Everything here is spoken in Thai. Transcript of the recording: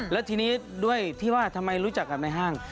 แล้วทีนี้ด้วยที่ว่าทำไมรู้จักกับในห้าง